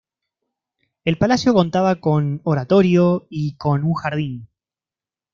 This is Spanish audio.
El palacio contaba con oratorio y con un jardín.